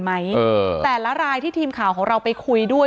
อ๋อเจ้าสีสุข่าวของสิ้นพอได้ด้วย